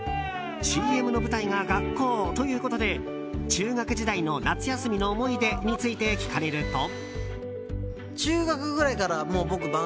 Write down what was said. ＣＭの舞台が学校ということで中学時代の夏休みの思い出について聞かれると。